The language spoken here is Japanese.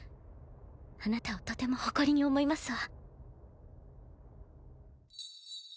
あなたをとても誇りに思いますわ。